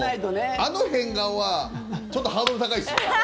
あの変顔はちょっとハードル高いですよ。